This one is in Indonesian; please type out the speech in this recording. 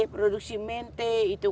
produksi mente itu